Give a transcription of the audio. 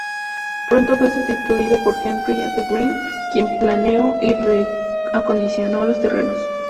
Pronto fue substituido por "Henry F. Green", quien planeó y reacondicionó los terrenos.